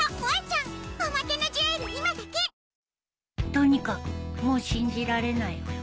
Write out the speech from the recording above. とにかくもう信じられないよ。